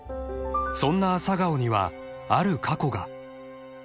［そんな朝顔にはある過去が］